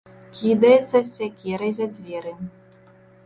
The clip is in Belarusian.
Кідаецца з сякерай за дзверы.